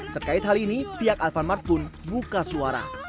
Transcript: terkait hal ini pihak alfamart pun buka suara